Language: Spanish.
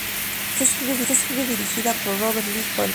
Está escrita y dirigida por Robert Lee Collins.